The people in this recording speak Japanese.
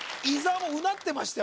もうなってましたよ